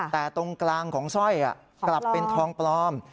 แต่ตรงกลางของสร้อยกลับเป็นทองปลอม